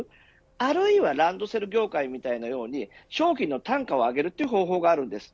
あるいはランドセル業界のように商品の単価を上げるという方法があります。